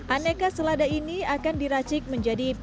aneka selada ini akan diracik menjadi pederi salad